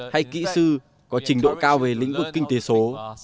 hay kỹ sư có trình độ cao về lĩnh vực kinh tế số